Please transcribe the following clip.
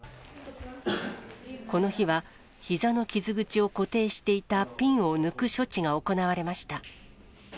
この日は、ひざの傷口を固定していたピンを抜く処置が行われました。